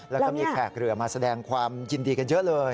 แล้วก็มีแขกเรือมาแสดงความยินดีกันเยอะเลย